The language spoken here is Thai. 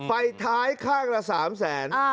ไฟท้ายข้างละ๓แสน